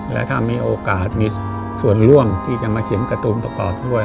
และถ้ามีโอกาสมีส่วนร่วมที่จะมาเขียนการ์ตูนประกอบด้วย